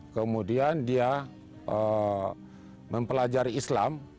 kemudian dia mempelajari islam